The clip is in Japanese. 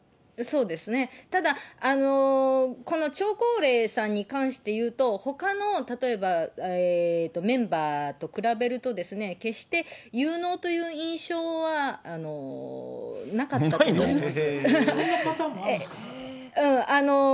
ただ、この張高麗さんに関していうと、ほかの例えばメンバーと比べるとですね、決して有能という印象はなかったと思います。